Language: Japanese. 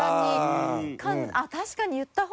確かに言った方が。